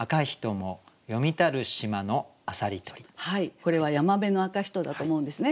これは山部赤人だと思うんですね。